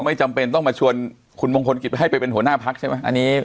ไม่จำเป็นต้องมาชวนคุณมงคลกิจไปให้ไปเป็นหัวหน้าพักใช่ไหม